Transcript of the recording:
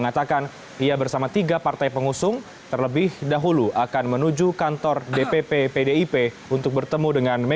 baik ini kita langsung lihat ternyata